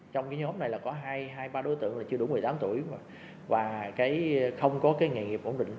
trong nhóm này có hai ba đối tượng chưa đủ một mươi tám tuổi và không có nghề nghiệp ổn định